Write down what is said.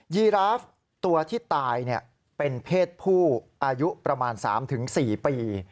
ีราฟตัวที่ตายเป็นเพศผู้อายุประมาณ๓๔ปี